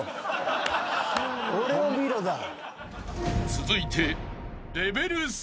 ［続いて］